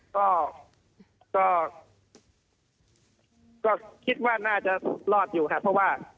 ก็ก็คิดว่าน่าจะรอดอยู่ครับเพราะว่า